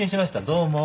どうも。